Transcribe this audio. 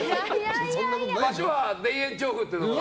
場所は田園調布っていうところ。